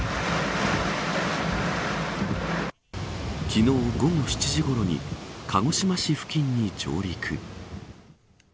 昨日午後７時ごろに鹿児島市付近に上陸。